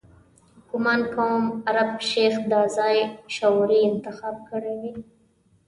ګومان کوم عرب شیخ دا ځای شعوري انتخاب کړی وي.